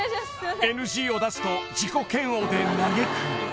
［ＮＧを出すと自己嫌悪で嘆く］